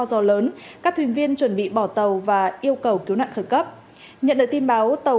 do lớn các thuyền viên chuẩn bị bỏ tàu và yêu cầu cứu nạn khẩn cấp nhận được tin báo tàu